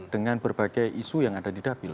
dengan berbagai isu yang ada di dapil